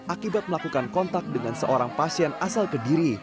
akibat melakukan kontak dengan seorang pasien asal kediri